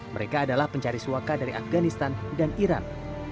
mereka adalah pencari suaka dari afganistan dan iran